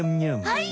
はい！